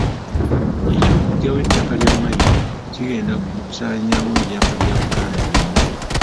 Eky'okuggyawo ettaka lya Mmayiro kigenda kusaanyaawo ebyapa bya Buganda byonna.